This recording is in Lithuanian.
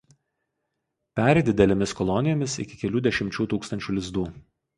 Peri didelėmis kolonijomis iki kelių dešimčių tūkstančių lizdų.